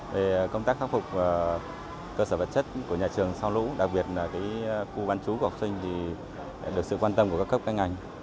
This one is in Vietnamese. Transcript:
về công tác khắc phục cơ sở vật chất của nhà trường sau lũ đặc biệt là khu bán chú của học sinh thì được sự quan tâm của các cấp các ngành